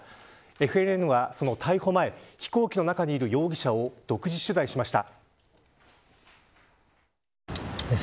ＦＮＮは、その逮捕前飛行機の中にいる容疑者を独自取材しました。